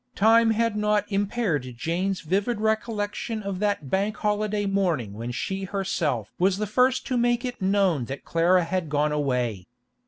Time had not impaired Jane's vivid recollection of that Bank holiday morning when she herself was the first to make it known that Clara had gone away.